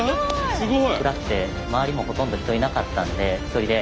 すごい！